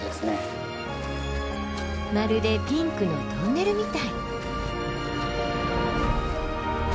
まるでピンクのトンネルみたい！